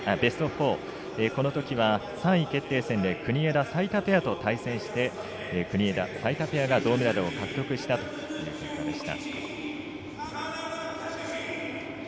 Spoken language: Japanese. このときは３位決定戦で国枝、齋田ペアと対戦して、国枝、齋田ペアが銅メダルを獲得したという結果でした。